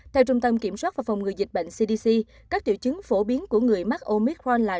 theo trung tâm kiểm soát và phòng ngừa dịch bệnh cdc các tiểu chứng phổ biến của người mắc omicron là